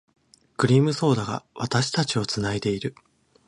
クリームソーダが、私たちを繋いでいる。